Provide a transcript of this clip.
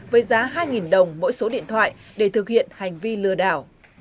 với giá hai đồng mỗi số điện thoại để thực hiện hành vi lừa đảo